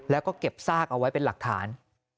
แล้วก็เก็บซากเอาไว้เป็นหลักฐาน